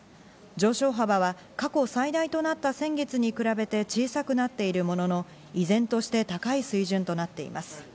上昇幅は過去最大となった先月に比べて小さくなっているものの、依然として高い水準となっています。